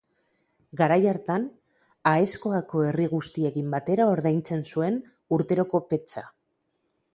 Garai hartan, Aezkoako herri guztiekin batera ordaintzen zuen urteroko petxa.